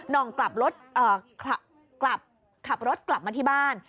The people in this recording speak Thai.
นองขับรถกลับมาที่บ้าน